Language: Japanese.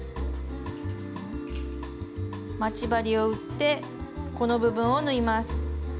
待ち針を打ってこの部分を縫います。